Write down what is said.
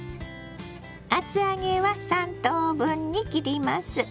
厚揚げは３等分に切ります。